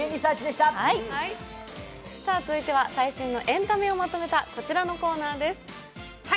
続いては、最新のエンタメをまとめたこちらのコーナーです。